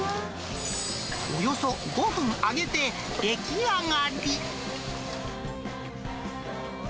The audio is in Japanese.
およそ５分揚げて、出来上がり。